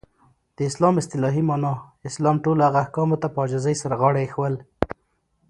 د اسلام اصطلاحی معنا : اسلام ټولو هغه احکامو ته په عاجزی سره غاړه ایښودل.